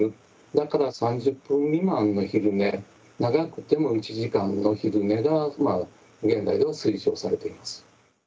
だから３０分未満の昼寝長くても１時間の昼寝が現在では推奨されています。